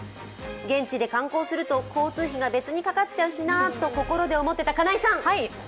現地で観光すると交通費が別にかかっちゃうしなと心で思ってた金井さん！